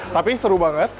tapi seru banget